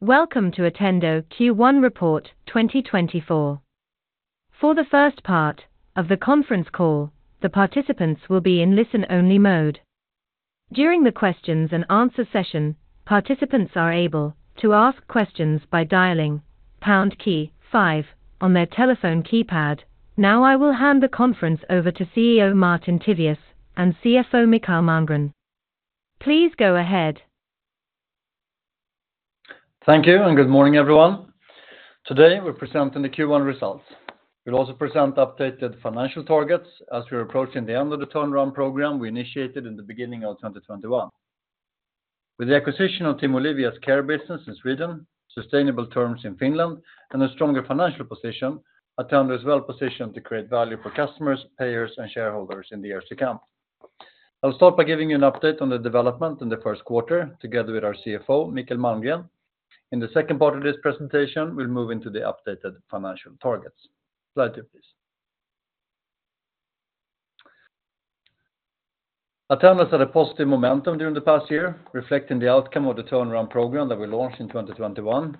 Welcome to Attendo Q1 Report 2024. For the first part of the conference call, the participants will be in listen-only mode. During the questions-and-answers session, participants are able to ask questions by dialing pound key five on their telephone keypad. Now I will hand the conference over to CEO Martin Tivéus and CFO Mikael Malmgren. Please go ahead. Thank you, and good morning, everyone. Today we're presenting the Q1 results. We'll also present updated financial targets as we're approaching the end of the turnaround program we initiated in the beginning of 2021. With the acquisition of Team Olivia's care business in Sweden, sustainable terms in Finland, and a stronger financial position, Attendo is well positioned to create value for customers, payers, and shareholders in the years to come. I'll start by giving you an update on the development in the first quarter together with our CFO, Mikael Malmgren. In the second part of this presentation, we'll move into the updated financial targets. Slide 2, please. Attendo has had a positive momentum during the past year, reflecting the outcome of the turnaround program that we launched in 2021.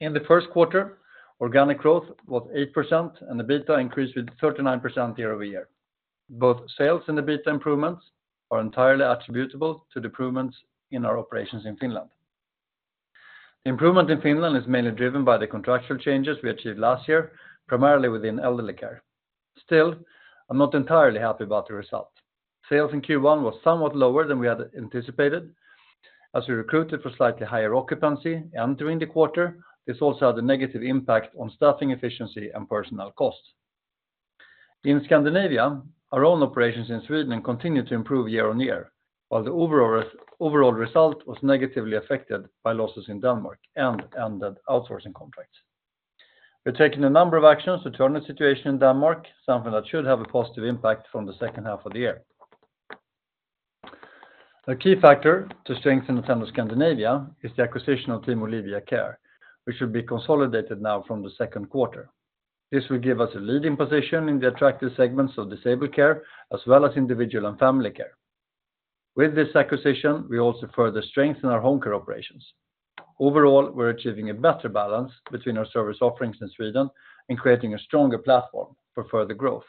In the first quarter, organic growth was 8%, and the EBITDA increased with 39% year-over-year. Both sales and the EBITDA improvements are entirely attributable to the improvements in our operations in Finland. The improvement in Finland is mainly driven by the contractual changes we achieved last year, primarily within elderly care. Still, I'm not entirely happy about the result. Sales in Q1 were somewhat lower than we had anticipated as we recruited for slightly higher occupancy entering the quarter. This also had a negative impact on staffing efficiency and personnel costs. In Scandinavia, our own operations in Sweden continue to improve year-on-year, while the overall result was negatively affected by losses in Denmark and ended outsourcing contracts. We're taking a number of actions to turn the situation in Denmark, something that should have a positive impact from the second half of the year. A key factor to strengthen Attendo Scandinavia is the acquisition of Team Olivia, which will be consolidated now from the second quarter. This will give us a leading position in the attractive segments of disabled care as well as individual and family care. With this acquisition, we also further strengthen our home care operations. Overall, we're achieving a better balance between our service offerings in Sweden and creating a stronger platform for further growth.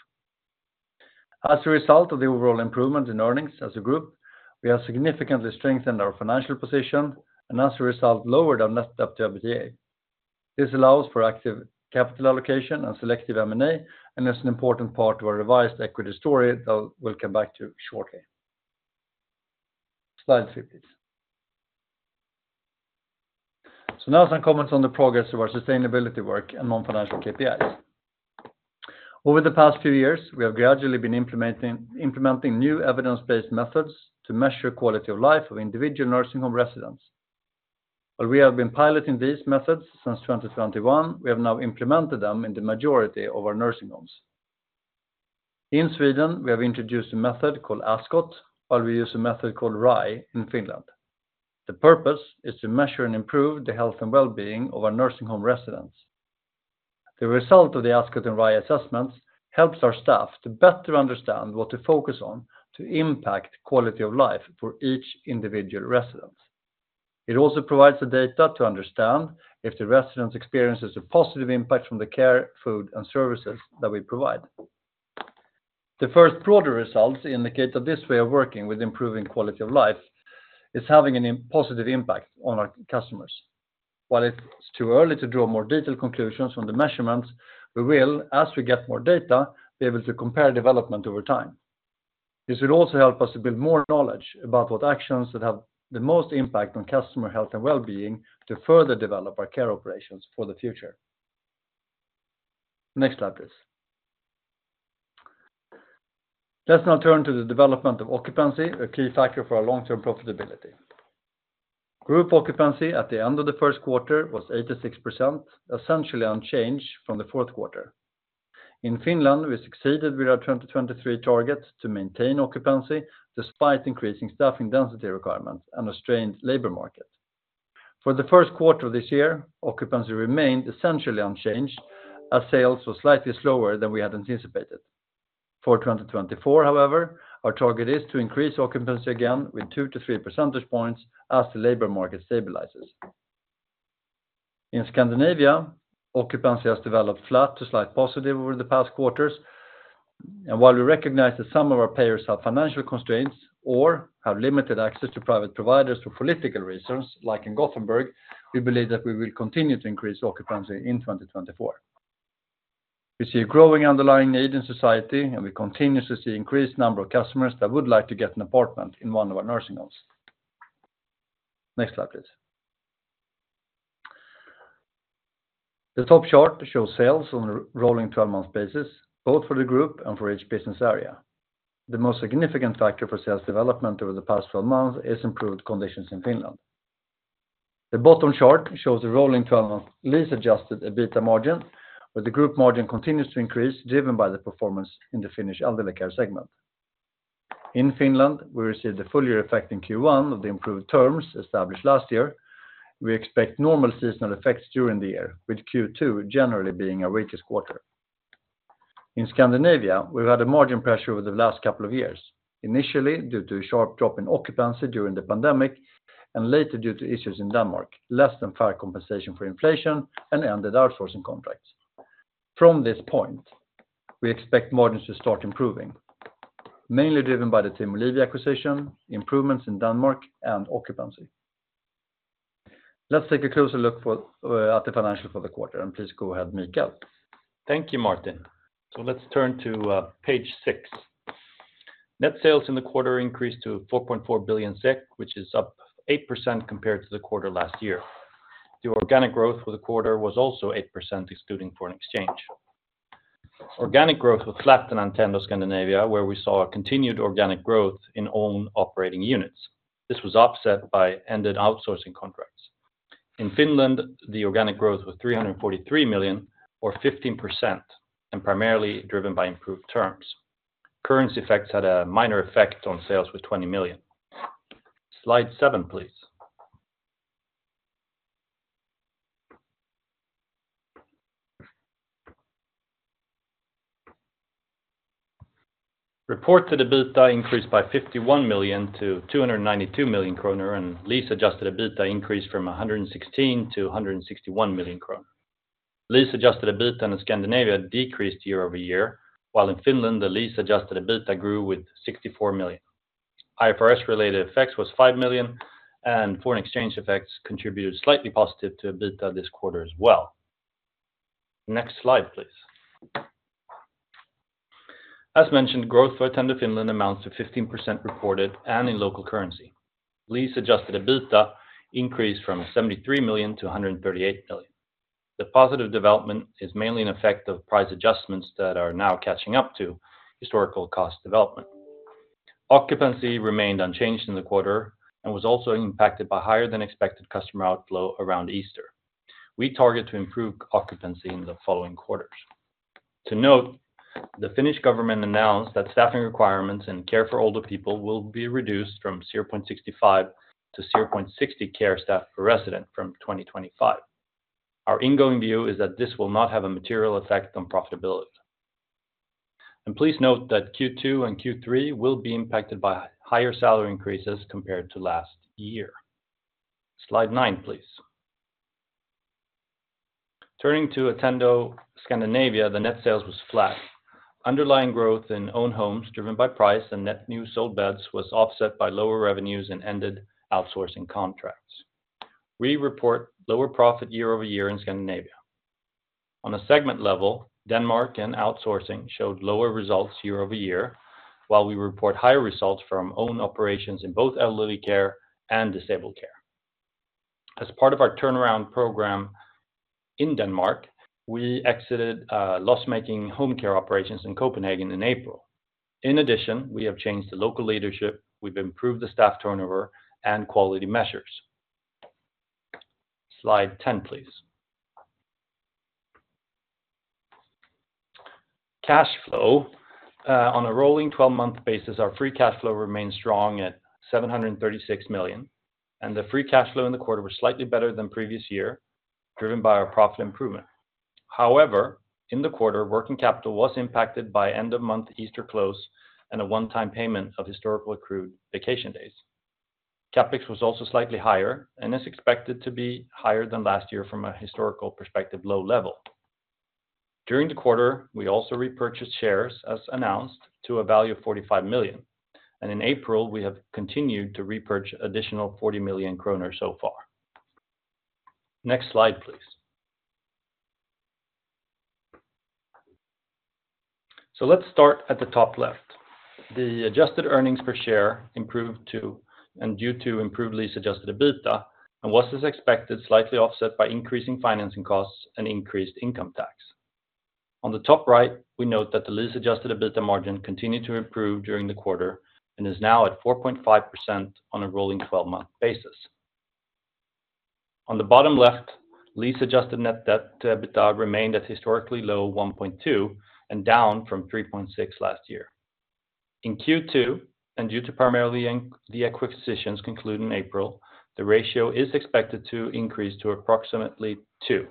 As a result of the overall improvement in earnings as a group, we have significantly strengthened our financial position and, as a result, lowered our net debt to EBITDA. This allows for active capital allocation and selective M&A, and is an important part of our revised equity story that we'll come back to shortly. Slide 3, please. So now some comments on the progress of our sustainability work and non-financial KPIs. Over the past few years, we have gradually been implementing new evidence-based methods to measure the quality of life of individual nursing home residents. While we have been piloting these methods since 2021, we have now implemented them in the majority of our nursing homes. In Sweden, we have introduced a method called ASCOT, while we use a method called RAI in Finland. The purpose is to measure and improve the health and well-being of our nursing home residents. The result of the ASCOT and RAI assessments helps our staff to better understand what to focus on to impact the quality of life for each individual resident. It also provides the data to understand if the residents experience a positive impact from the care, food, and services that we provide. The first broader results indicate that this way of working with improving quality of life is having a positive impact on our customers. While it's too early to draw more detailed conclusions from the measurements, we will, as we get more data, be able to compare development over time. This will also help us to build more knowledge about what actions that have the most impact on customer health and well-being to further develop our care operations for the future. Next slide, please. Let's now turn to the development of occupancy, a key factor for our long-term profitability. Group occupancy at the end of the first quarter was 86%, essentially unchanged from the fourth quarter. In Finland, we succeeded with our 2023 target to maintain occupancy despite increasing staffing density requirements and a strained labor market. For the first quarter of this year, occupancy remained essentially unchanged as sales were slightly slower than we had anticipated. For 2024, however, our target is to increase occupancy again with 2-3 percentage points as the labor market stabilizes. In Scandinavia, occupancy has developed flat to slightly positive over the past quarters. While we recognize that some of our payers have financial constraints or have limited access to private providers for political reasons, like in Gothenburg, we believe that we will continue to increase occupancy in 2024. We see a growing underlying need in society, and we continue to see an increased number of customers that would like to get an apartment in one of our nursing homes. Next slide, please. The top chart shows sales on a rolling 12-month basis, both for the group and for each business area. The most significant factor for sales development over the past 12 months is improved conditions in Finland. The bottom chart shows the rolling 12-month lease-adjusted EBITDA margin, where the group margin continues to increase driven by the performance in the Finnish elderly care segment. In Finland, we received a fuller effect in Q1 of the improved terms established last year. We expect normal seasonal effects during the year, with Q2 generally being our weakest quarter. In Scandinavia, we've had a margin pressure over the last couple of years, initially due to a sharp drop in occupancy during the pandemic and later due to issues in Denmark, less than fair compensation for inflation and ended outsourcing contracts. From this point, we expect margins to start improving, mainly driven by the Team Olivia acquisition, improvements in Denmark, and occupancy. Let's take a closer look at the financials for the quarter, and please go ahead, Mikael. Thank you, Martin. So let's turn to page 6. Net sales in the quarter increased to 4.4 billion SEK, which is up 8% compared to the quarter last year. The organic growth for the quarter was also 8%, excluding foreign exchange. Organic growth was flat in Attendo Scandinavia, where we saw continued organic growth in own operating units. This was offset by ended outsourcing contracts. In Finland, the organic growth was 343 million, or 15%, and primarily driven by improved terms. Currency effects had a minor effect on sales with 20 million. Slide 7, please. Reported EBITDA increased by 51 million to 292 million kronor, and lease-adjusted EBITDA increased from 116 million to 161 million kronor. Lease-adjusted EBITDA in Scandinavia decreased year-over-year, while in Finland, the lease-adjusted EBITDA grew with 64 million. IFRS-related effects were 5 million, and foreign exchange effects contributed slightly positive to EBITDA this quarter as well. Next slide, please. As mentioned, growth for Attendo Finland amounts to 15% reported and in local currency. Lease-adjusted EBITDA increased from 73 million to 138 million. The positive development is mainly an effect of price adjustments that are now catching up to historical cost development. Occupancy remained unchanged in the quarter and was also impacted by higher-than-expected customer outflow around Easter. We target to improve occupancy in the following quarters. To note, the Finnish government announced that staffing requirements in care for older people will be reduced from 0.65 to 0.60 care staff per resident from 2025. Our ingoing view is that this will not have a material effect on profitability. Please note that Q2 and Q3 will be impacted by higher salary increases compared to last year. Slide 9, please. Turning to Attendo Scandinavia, the net sales were flat. Underlying growth in own homes driven by price and net new sold beds was offset by lower revenues in ended outsourcing contracts. We report lower profit year-over-year in Scandinavia. On a segment level, Denmark and outsourcing showed lower results year-over-year, while we report higher results from own operations in both elderly care and disabled care. As part of our turnaround program in Denmark, we exited loss-making home care operations in Copenhagen in April. In addition, we have changed the local leadership. We've improved the staff turnover and quality measures. Slide 10, please. Cash flow. On a rolling 12-month basis, our free cash flow remains strong at 736 million, and the free cash flow in the quarter was slightly better than previous year, driven by our profit improvement. However, in the quarter, working capital was impacted by end-of-month Easter close and a one-time payment of historical accrued vacation days. CapEx was also slightly higher and is expected to be higher than last year from a historical perspective low level. During the quarter, we also repurchased shares, as announced, to a value of 45 million. In April, we have continued to repurchase additional 40 million kronor so far. Next slide, please. So let's start at the top left. The adjusted earnings per share improved due to improved lease-adjusted EBITDA and was, as expected, slightly offset by increasing financing costs and increased income tax. On the top right, we note that the lease-adjusted EBITDA margin continued to improve during the quarter and is now at 4.5% on a rolling 12-month basis. On the bottom left, lease-adjusted net debt to EBITDA remained at historically low 1.2 and down from 3.6 last year. In Q2, and due to primarily the acquisitions concluding in April, the ratio is expected to increase to approximately 2.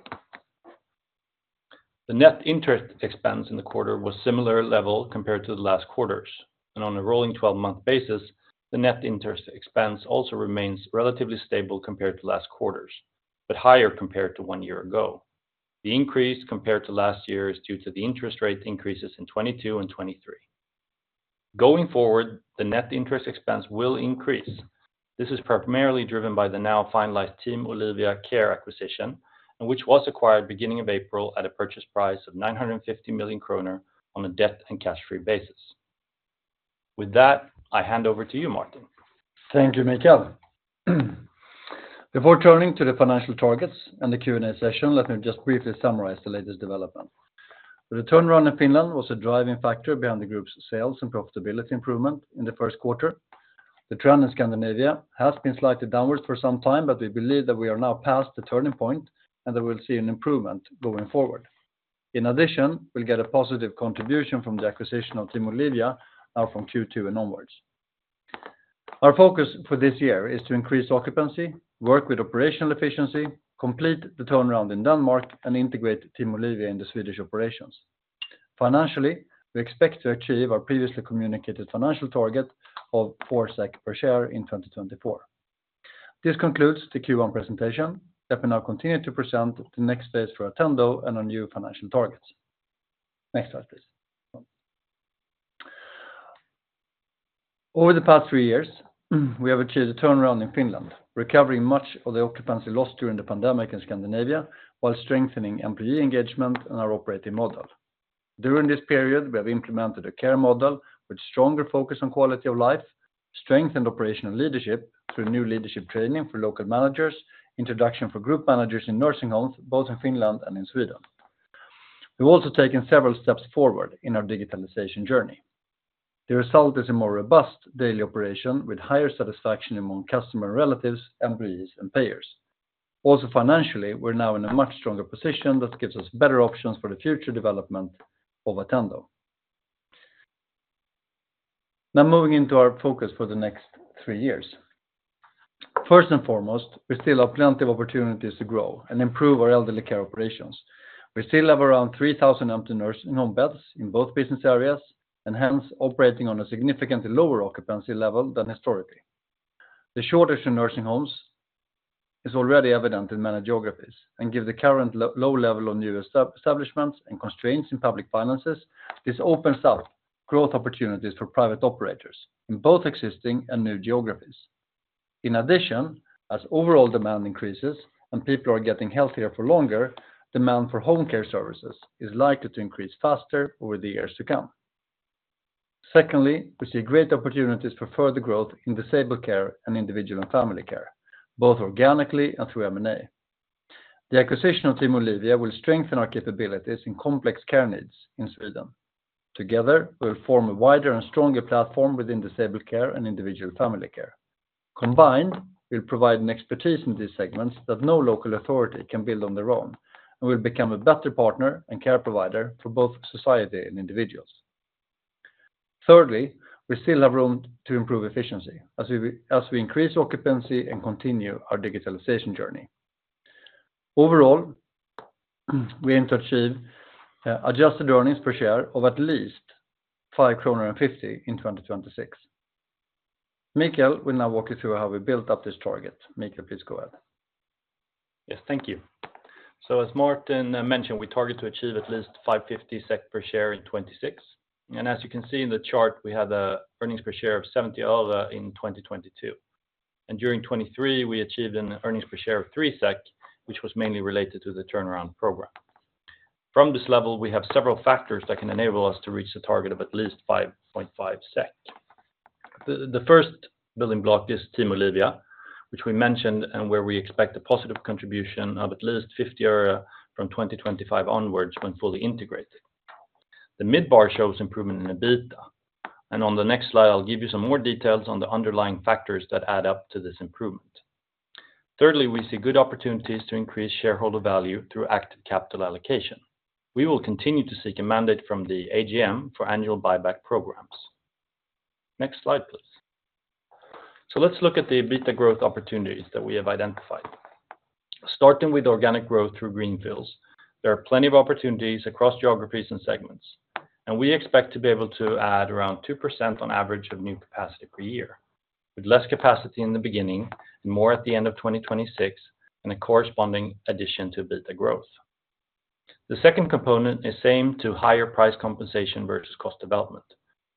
The net interest expense in the quarter was similar level compared to the last quarters. On a rolling 12-month basis, the net interest expense also remains relatively stable compared to last quarters, but higher compared to one year ago. The increase compared to last year is due to the interest rate increases in 2022 and 2023. Going forward, the net interest expense will increase. This is primarily driven by the now finalized Team Olivia acquisition, which was acquired beginning of April at a purchase price of 950 million kronor on a debt and cash-free basis. With that, I hand over to you, Martin. Thank you, Mikael. Before turning to the financial targets and the Q&A session, let me just briefly summarize the latest developments. The turnaround in Finland was a driving factor behind the group's sales and profitability improvement in the first quarter. The trend in Scandinavia has been slightly downwards for some time, but we believe that we are now past the turning point and that we'll see an improvement going forward. In addition, we'll get a positive contribution from the acquisition of Team Olivia now from Q2 and onwards. Our focus for this year is to increase occupancy, work with operational efficiency, complete the turnaround in Denmark, and integrate Team Olivia in the Swedish operations. Financially, we expect to achieve our previously communicated financial target of 4 SEK per share in 2024. This concludes the Q1 presentation. Let me now continue to present the next phase for Attendo and our new financial targets. Next slide, please. Over the past three years, we have achieved a turnaround in Finland, recovering much of the occupancy lost during the pandemic in Scandinavia while strengthening employee engagement and our operating model. During this period, we have implemented a care model with a stronger focus on quality of life, strengthened operational leadership through new leadership training for local managers, and introduction for group managers in nursing homes, both in Finland and in Sweden. We've also taken several steps forward in our digitalization journey. The result is a more robust daily operation with higher satisfaction among customer relatives, employees, and payers. Also, financially, we're now in a much stronger position that gives us better options for the future development of Attendo. Now moving into our focus for the next three years. First and foremost, we still have plenty of opportunities to grow and improve our elderly care operations. We still have around 3,000 empty nursing home beds in both business areas and, hence, operating on a significantly lower occupancy level than historically. The shortage in nursing homes is already evident in many geographies and gives the current low level of new establishments and constraints in public finances. This opens up growth opportunities for private operators in both existing and new geographies. In addition, as overall demand increases and people are getting healthier for longer, demand for home care services is likely to increase faster over the years to come. Secondly, we see great opportunities for further growth in disabled care and individual and family care, both organically and through M&A. The acquisition of Team Olivia will strengthen our capabilities in complex care needs in Sweden. Together, we will form a wider and stronger platform within disabled care and individual family care. Combined, we'll provide an expertise in these segments that no local authority can build on their own and will become a better partner and care provider for both society and individuals. Thirdly, we still have room to improve efficiency as we increase occupancy and continue our digitalization journey. Overall, we aim to achieve adjusted earnings per share of at least 5.50 kronor in 2026. Mikael will now walk us through how we built up this target. Mikael, please go ahead. Yes, thank you. So as Martin mentioned, we target to achieve at least 5.50 SEK per share in 2026. As you can see in the chart, we had an earnings per share of 70 öre in 2022. During 2023, we achieved an earnings per share of 3 SEK, which was mainly related to the turnaround program. From this level, we have several factors that can enable us to reach the target of at least 5.5 SEK. The first building block is Team Olivia, which we mentioned and where we expect a positive contribution of at least 50 öre from 2025 onwards when fully integrated. The mid-bar shows improvement in EBITDA. On the next slide, I'll give you some more details on the underlying factors that add up to this improvement. Thirdly, we see good opportunities to increase shareholder value through active capital allocation. We will continue to seek a mandate from the AGM for annual buyback programs. Next slide, please. Let's look at the EBITDA growth opportunities that we have identified. Starting with organic growth through greenfields, there are plenty of opportunities across geographies and segments. We expect to be able to add around 2% on average of new capacity per year, with less capacity in the beginning and more at the end of 2026 and a corresponding addition to EBITDA growth. The second component is the same to higher price compensation versus cost development.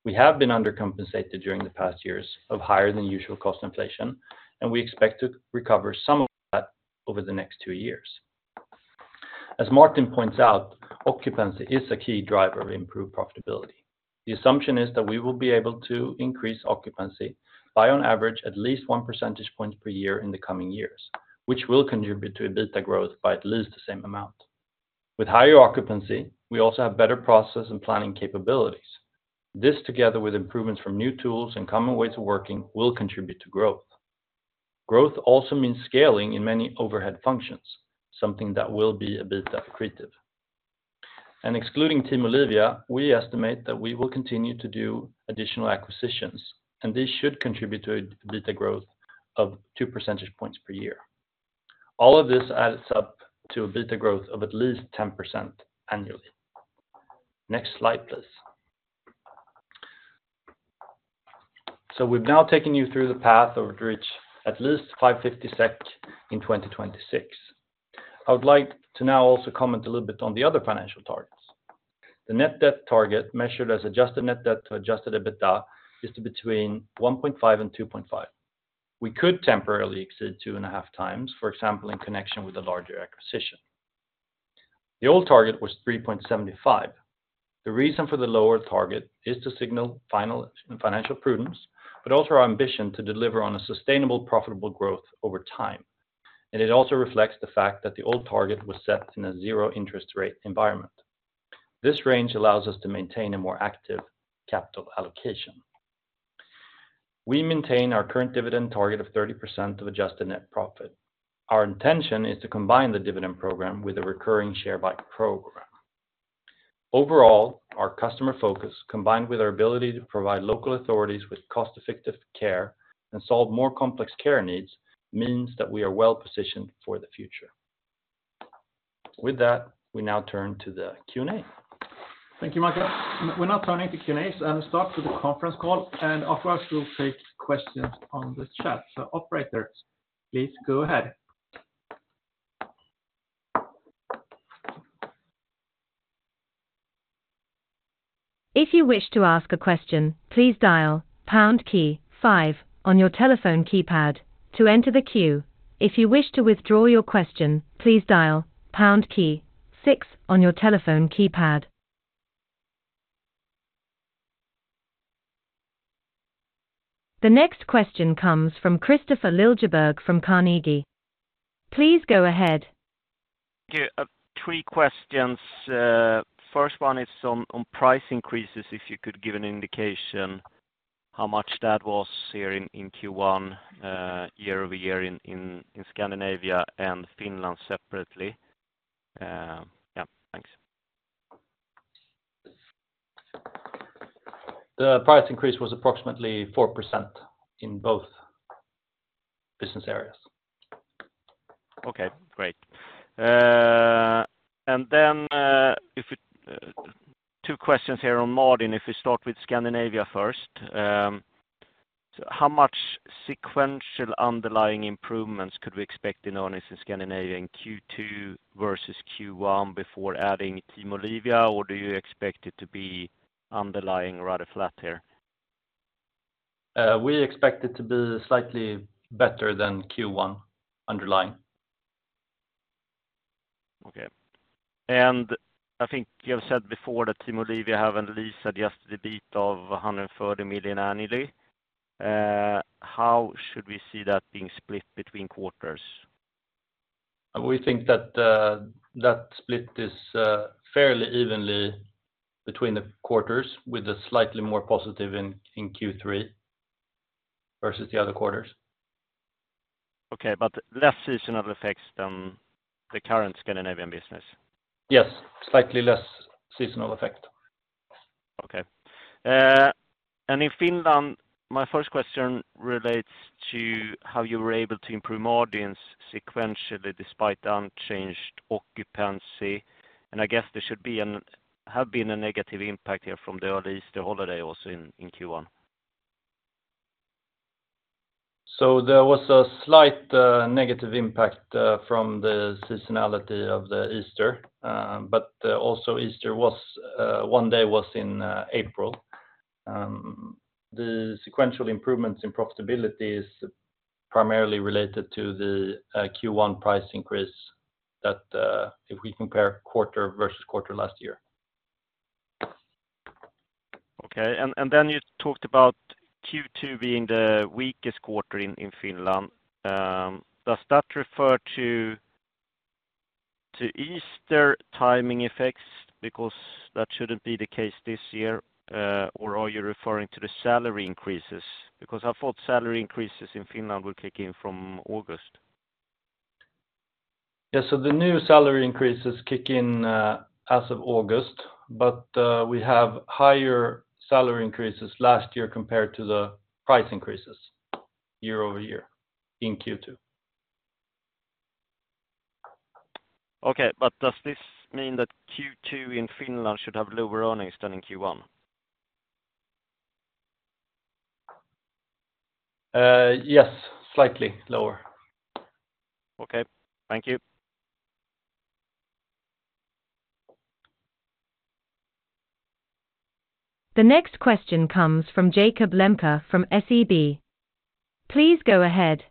We have been undercompensated during the past years of higher-than-usual cost inflation, and we expect to recover some of that over the next 2 years. As Martin points out, occupancy is a key driver of improved profitability. The assumption is that we will be able to increase occupancy by, on average, at least 1 percentage point per year in the coming years, which will contribute to EBITDA growth by at least the same amount. With higher occupancy, we also have better process and planning capabilities. This, together with improvements from new tools and common ways of working, will contribute to growth. Growth also means scaling in many overhead functions, something that will be a bit detractive. Excluding Team Olivia, we estimate that we will continue to do additional acquisitions, and this should contribute to EBITDA growth of 2 percentage points per year. All of this adds up to EBITDA growth of at least 10% annually. Next slide, please. We've now taken you through the path of reaching at least 5.50 SEK in 2026. I would like to now also comment a little bit on the other financial targets. The net debt target measured as adjusted net debt to adjusted EBITDA is between 1.5-2.5. We could temporarily exceed 2.5 times, for example, in connection with a larger acquisition. The old target was 3.75. The reason for the lower target is to signal final financial prudence, but also our ambition to deliver on a sustainable, profitable growth over time. And it also reflects the fact that the old target was set in a zero-interest rate environment. This range allows us to maintain a more active capital allocation. We maintain our current dividend target of 30% of adjusted net profit. Our intention is to combine the dividend program with a recurring share buy program. Overall, our customer focus, combined with our ability to provide local authorities with cost-effective care and solve more complex care needs, means that we are well positioned for the future. With that, we now turn to the Q&A. Thank you, Mikael. We're now turning to Q&A and start with the conference call. Afterwards, we'll take questions on the chat. Operators, please go ahead. If you wish to ask a question, please dial pound key five on your telephone keypad to enter the queue. If you wish to withdraw your question, please dial pound key six on your telephone keypad. The next question comes from Kristofer Liljeberg from Carnegie. Please go ahead. Thank you. Two questions. First one is on price increases, if you could give an indication how much that was here in Q1, year-over-year in Scandinavia and Finland separately. Yeah, thanks. The price increase was approximately 4% in both business areas. Okay, great. And then two questions here on Martin. If we start with Scandinavia first, how much sequential underlying improvements could we expect in earnings in Scandinavia in Q2 versus Q1 before adding Team Olivia, or do you expect it to be underlying rather flat here? We expect it to be slightly better than Q1 underlying. Okay. And I think you have said before that Team Olivia haven't lease-adjusted EBITDA of 140 million annually. How should we see that being split between quarters? We think that that split is fairly evenly between the quarters, with a slightly more positive in Q3 versus the other quarters. Okay, but less seasonal effects than the current Scandinavian business? Yes, slightly less seasonal effect. Okay. In Finland, my first question relates to how you were able to improve revenue sequentially despite the unchanged occupancy. I guess there should have been a negative impact here from the early Easter holiday also in Q1. There was a slight negative impact from the seasonality of Easter. But also, Easter was one day in April. The sequential improvements in profitability is primarily related to the Q1 price increase that if we compare quarter versus quarter last year. Okay. And then you talked about Q2 being the weakest quarter in Finland. Does that refer to Easter timing effects because that shouldn't be the case this year, or are you referring to the salary increases? Because I thought salary increases in Finland would kick in from August. Yes, so the new salary increases kick in as of August. But we have higher salary increases last year compared to the price increases year-over-year in Q2. Okay, but does this mean that Q2 in Finland should have lower earnings than in Q1? Yes, slightly lower. Okay, thank you. The next question comes from Jakob Lembke from SEB. Please go ahead.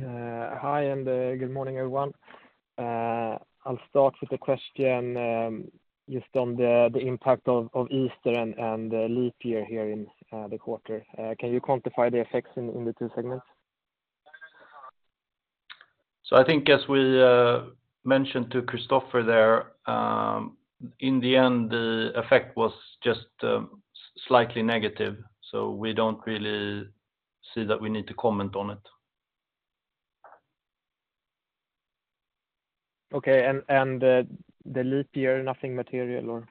Hi, and good morning, everyone. I'll start with a question just on the impact of Easter and leap year here in the quarter. Can you quantify the effects in the two segments? So I think, as we mentioned to Kristofer there, in the end, the effect was just slightly negative. So we don't really see that we need to comment on it. Okay. And the leap year, nothing material, or?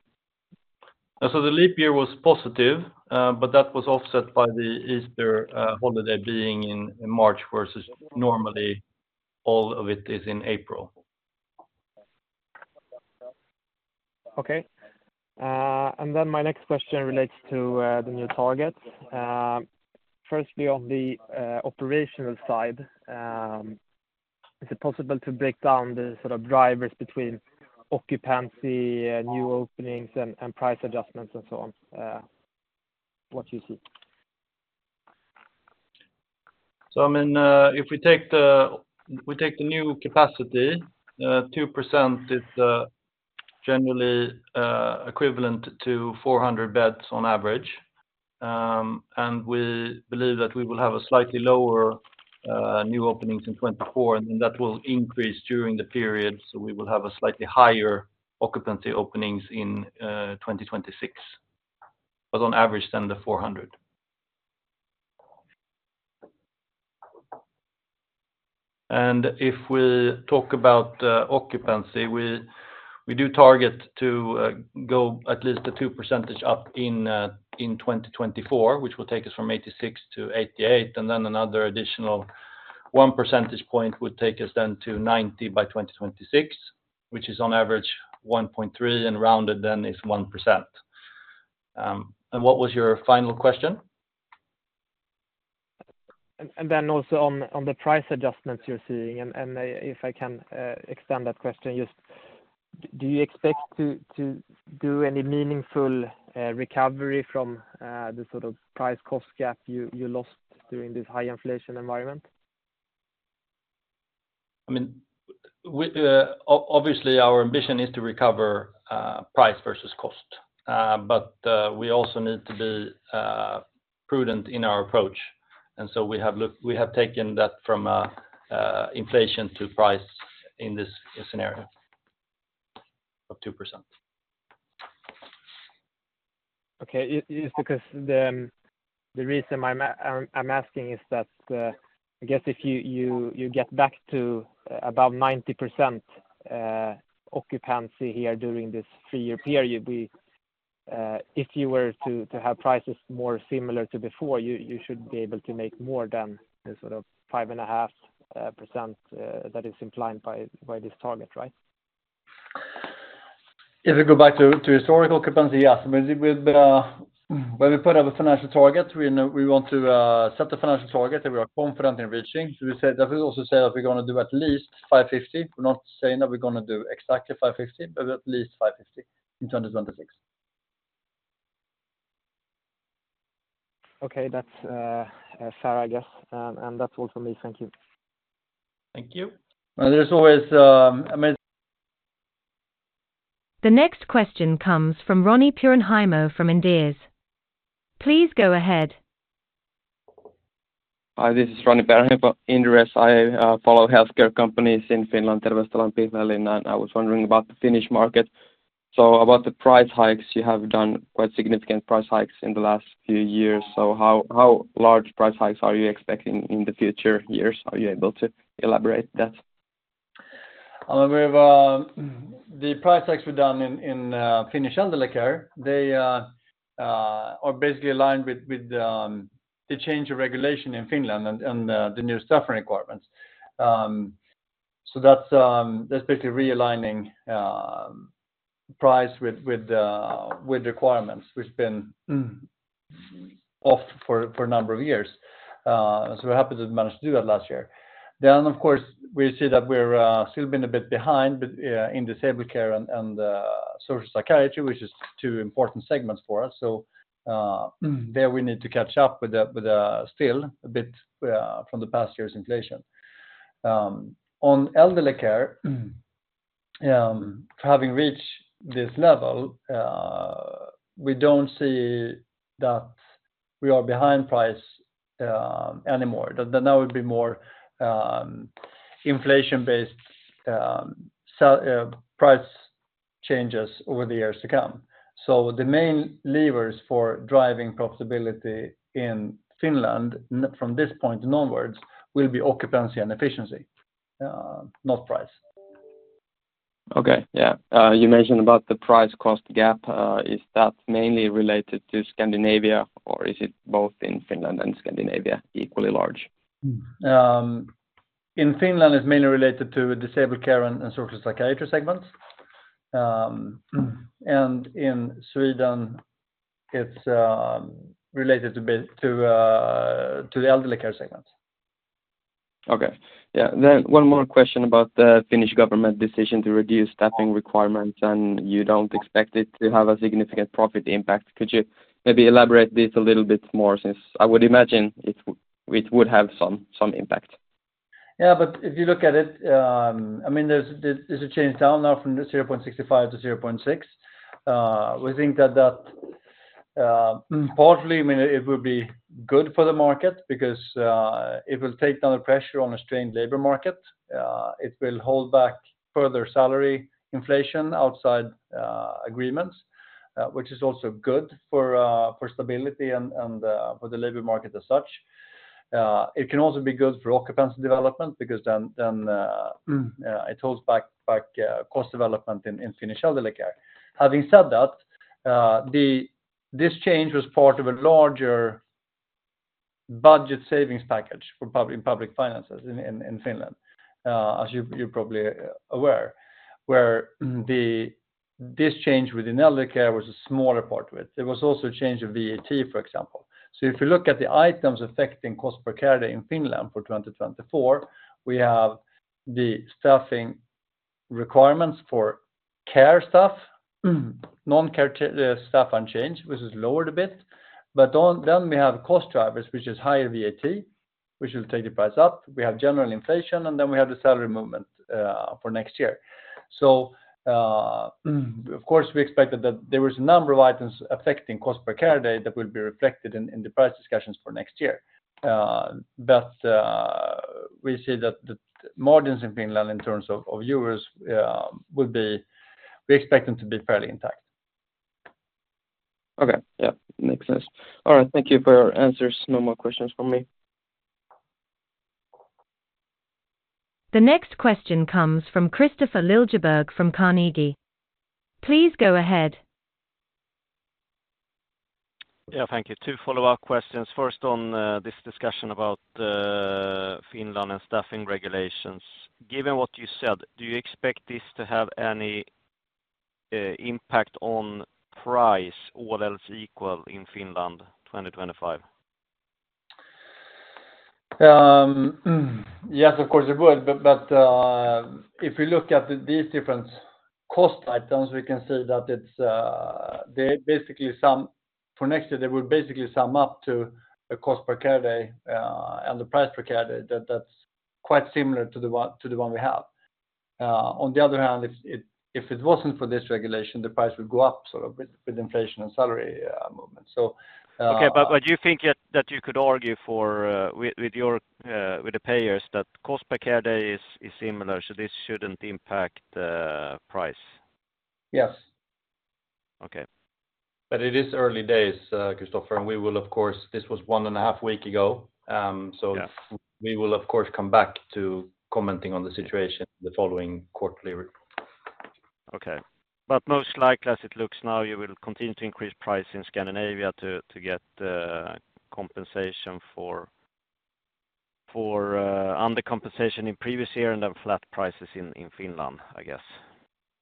The leap year was positive, but that was offset by the Easter holiday being in March versus normally all of it is in April. Okay. And then my next question relates to the new targets. Firstly, on the operational side, is it possible to break down the sort of drivers between occupancy, new openings, and price adjustments and so on? What do you see? So I mean, if we take the new capacity, 2% is generally equivalent to 400 beds on average. And we believe that we will have a slightly lower new openings in 2024, and then that will increase during the period. So we will have a slightly higher occupancy openings in 2026, but on average than the 400. And if we talk about occupancy, we do target to go at least 2% up in 2024, which will take us from 86% to 88%. And then another additional 1 percentage point would take us then to 90% by 2026, which is on average 1.3 and rounded then is 1%. And what was your final question? And then also on the price adjustments you're seeing. And if I can extend that question, just do you expect to do any meaningful recovery from the sort of price-cost gap you lost during this high inflation environment? I mean, obviously, our ambition is to recover price versus cost. But we also need to be prudent in our approach. And so we have taken that from inflation to price in this scenario of 2%. Okay. Just because the reason I'm asking is that I guess if you get back to above 90% occupancy here during this three-year period, if you were to have prices more similar to before, you should be able to make more than the sort of 5.5% that is implied by this target, right? If we go back to historical occupancy, yes. When we put up a financial target, we want to set a financial target that we are confident in reaching. So we also say that we're going to do at least 550. We're not saying that we're going to do exactly 550, but at least 550 in 2026. Okay. That's fair, I guess. That's all from me. Thank you. Thank you. There's always, I mean. The next question comes from Roni Peuranheimo from Inderes. Please go ahead. Hi, this is Roni Peuranheimo from Inderes. I follow healthcare companies in Finland, Terveystalo, Pihlajalinna, and I was wondering about the Finnish market. So about the price hikes, you have done quite significant price hikes in the last few years. So how large price hikes are you expecting in the future years? Are you able to elaborate that? I mean, the price hikes we've done in Finnish elderly care, they are basically aligned with the change of regulation in Finland and the new staffing requirements. So that's basically realigning price with requirements, which has been off for a number of years. So we're happy to manage to do that last year. Then, of course, we see that we're still being a bit behind in disabled care and social psychiatry, which is two important segments for us. So there, we need to catch up with still a bit from the past year's inflation. On elderly care, having reached this level, we don't see that we are behind price anymore. That now would be more inflation-based price changes over the years to come. So the main levers for driving profitability in Finland from this point onwards will be occupancy and efficiency, not price. Okay. Yeah. You mentioned about the price-cost gap. Is that mainly related to Scandinavia, or is it both in Finland and Scandinavia equally large? In Finland, it's mainly related to disabled care and social psychiatry segments. In Sweden, it's related to the elderly care segments. Okay. Yeah. Then one more question about the Finnish government decision to reduce staffing requirements, and you don't expect it to have a significant profit impact. Could you maybe elaborate this a little bit more since I would imagine it would have some impact? Yeah, but if you look at it, I mean, it's a change down now from 0.65 to 0.6. We think that partly, I mean, it will be good for the market because it will take down the pressure on a strained labor market. It will hold back further salary inflation outside agreements, which is also good for stability and for the labor market as such. It can also be good for occupancy development because then it holds back cost development in Finnish elderly care. Having said that, this change was part of a larger budget savings package in public finances in Finland, as you're probably aware, where this change within elderly care was a smaller part of it. There was also a change in VAT, for example. So if you look at the items affecting cost per care day in Finland for 2024, we have the staffing requirements for care staff, non-care staff unchanged, which is lowered a bit. But then we have cost drivers, which is higher VAT, which will take the price up. We have general inflation, and then we have the salary movement for next year. So, of course, we expected that there was a number of items affecting cost per care day that will be reflected in the price discussions for next year. But we see that the margins in Finland in terms of viewers will be we expect them to be fairly intact. Okay. Yeah, makes sense. All right. Thank you for your answers. No more questions from me. The next question comes from Kristofer Liljeberg from Carnegie. Please go ahead. Yeah, thank you. Two follow-up questions. First, on this discussion about Finland and staffing regulations. Given what you said, do you expect this to have any impact on price or else equal in Finland 2025? Yes, of course, it would. But if we look at these different cost items, we can see that it's basically some for next year, they will basically sum up to a cost per care day and the price per care day that's quite similar to the one we have. On the other hand, if it wasn't for this regulation, the price would go up sort of with inflation and salary movement. So. Okay. But do you think that you could argue with the payers that cost per care day is similar, so this shouldn't impact price? Yes. Okay. But it is early days, Kristofer. And we will, of course, this was 1.5 weeks ago. So we will, of course, come back to commenting on the situation the following quarterly report. Okay. But most likely, as it looks now, you will continue to increase price in Scandinavia to get undercompensation in previous year and then flat prices in Finland, I guess?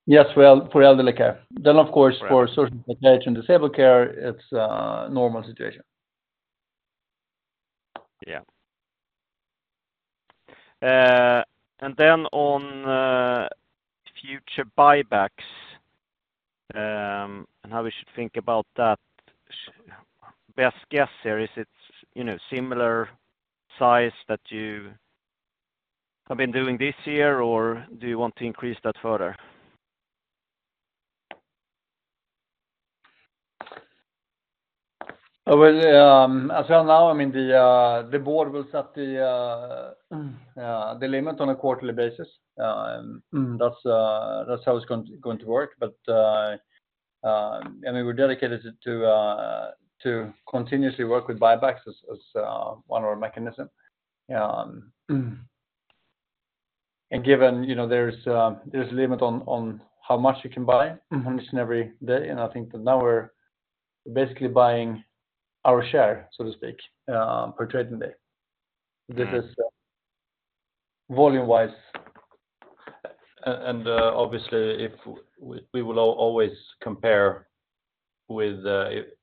Yes, for elderly care. Of course, for social psychiatry and disabled care, it's a normal situation. Yeah. And then on future buybacks and how we should think about that, best guess here is it's similar size that you have been doing this year, or do you want to increase that further? As well now, I mean, the board will set the limit on a quarterly basis. That's how it's going to work. But, I mean, we're dedicated to continuously work with buybacks as one of our mechanisms. Given there's a limit on how much you can buy on each and every day. I think that now we're basically buying our share, so to speak, per trading day. This is volume-wise. Obviously, we will always compare with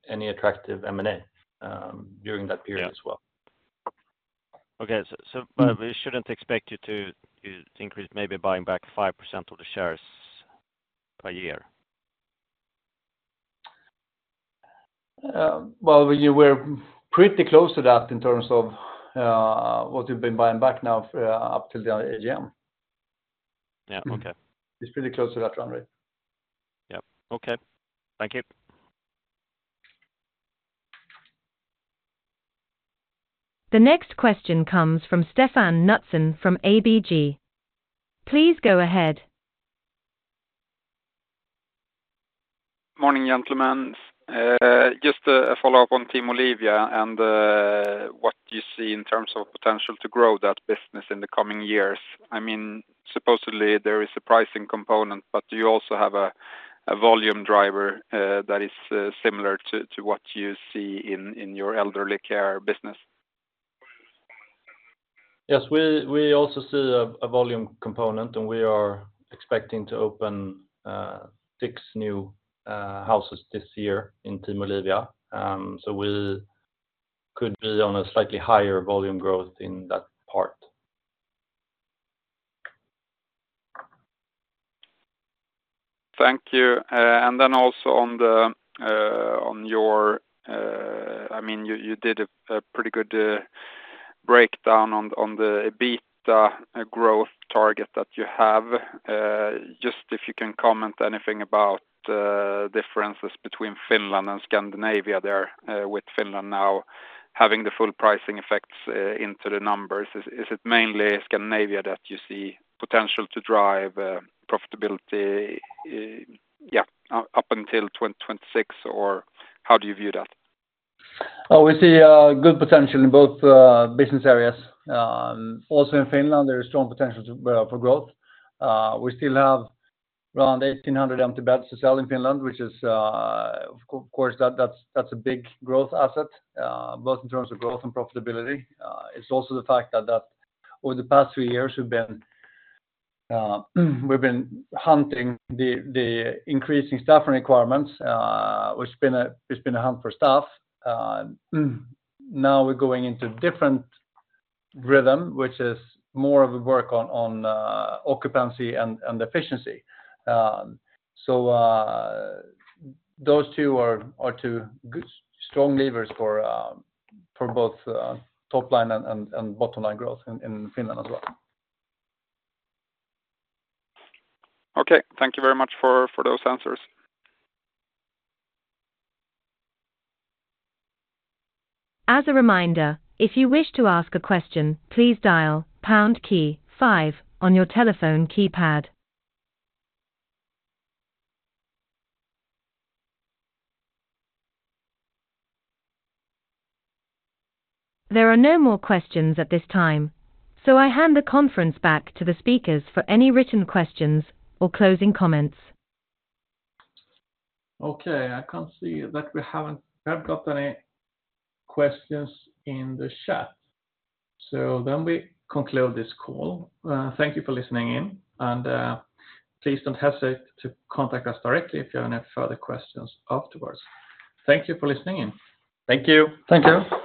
any attractive M&A during that period as well. Okay. But we shouldn't expect you to increase maybe buying back 5% of the shares per year? Well, we're pretty close to that in terms of what we've been buying back now up till the AGM. It's pretty close to that run rate. Yeah. Okay. Thank you. The next question comes from Stefan Knutsson from ABG. Please go ahead. Morning, gentlemen. Just a follow-up on Team Olivia and what you see in terms of potential to grow that business in the coming years. I mean, supposedly, there is a pricing component, but do you also have a volume driver that is similar to what you see in your elderly care business? Yes, we also see a volume component, and we are expecting to open six new houses this year in Team Olivia. So we could be on a slightly higher volume growth in that part. Thank you. And then also on your, I mean, you did a pretty good breakdown on the beta growth target that you have. Just if you can comment anything about differences between Finland and Scandinavia there with Finland now having the full pricing effects into the numbers. Is it mainly Scandinavia that you see potential to drive profitability, yeah, up until 2026, or how do you view that? We see good potential in both business areas. Also in Finland, there is strong potential for growth. We still have around 1,800 empty beds to sell in Finland, which is of course, that's a big growth asset, both in terms of growth and profitability. It's also the fact that over the past 3 years, we've been hunting the increasing staffing requirements. It's been a hunt for staff. Now we're going into a different rhythm, which is more of a work on occupancy and efficiency. So those two are two strong levers for both topline and bottomline growth in Finland as well. Okay. Thank you very much for those answers. As a reminder, if you wish to ask a question, please dial pound key five on your telephone keypad. There are no more questions at this time, so I hand the conference back to the speakers for any written questions or closing comments. Okay. I can see that we haven't got any questions in the chat. So then we conclude this call. Thank you for listening in, and please don't hesitate to contact us directly if you have any further questions afterwards. Thank you for listening in. Thank you. Thank you.